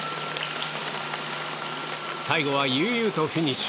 最後は悠々とフィニッシュ。